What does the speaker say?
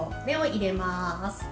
では入れます。